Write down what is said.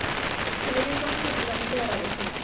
Se le dio entonces el tratamiento de radiación.